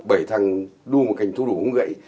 bảy thằng đu một cành thu đủ húng gậy